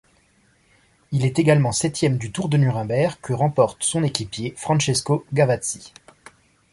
Il est également septième du Tour de Nuremberg que remporte son équipier Francesco Gavazzi.